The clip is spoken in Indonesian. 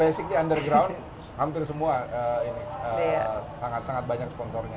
basic di underground hampir semua ini sangat sangat banyak sponsornya